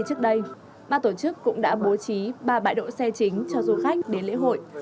như trước đây ban tổ chức cũng đã bố trí ba bãi độ xe chính cho du khách đến lễ hội